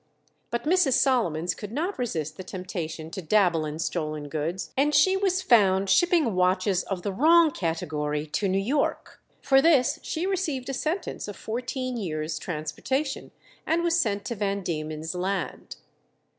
But Mrs. Solomons could not resist the temptation to dabble in stolen goods, and she was found shipping watches of the wrong category to New York. For this she received a sentence of fourteen years' transportation, and was sent to Van Diemen's Land.